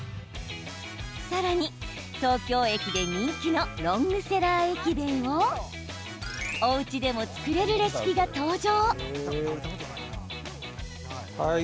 さらに、東京駅で人気のロングセラー駅弁をおうちでも作れるレシピが登場。